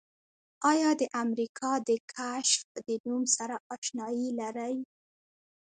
آیا د امریکا د کشف د نوم سره آشنایي لرئ؟